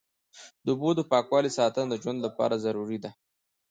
د اوبو د پاکوالي ساتنه د ژوند لپاره ضروري ده.